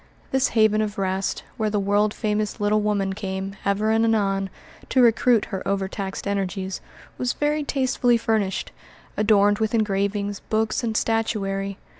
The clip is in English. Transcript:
This haven of rest, where the world famous little woman came, ever and anon, to recruit her overtaxed energies, was very tastefully furnished, adorned with engravings, books, and statuary.